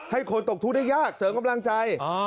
ให้คนตกทุกข์ได้ยากเสริมกำลังใจ